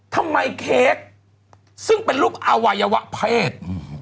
เค้กซึ่งเป็นรูปอวัยวะเพศ